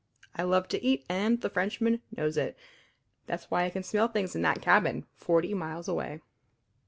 I love to eat, and the Frenchman knows it. That's why I can smell things in that cabin, forty miles away."